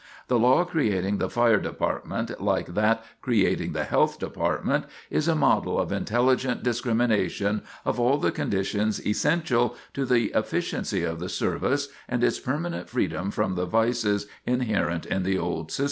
The law creating the fire department, like that creating the health department, is a model of intelligent discrimination of all the conditions essential to the efficiency of the service and its permanent freedom from the vices inherent in the old system.